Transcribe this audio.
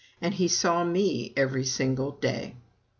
And he saw me every single day.